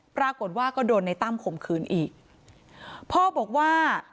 ปรากฏว่าก็โดนในตั้มข่มขืนอีกพ่อบอกว่า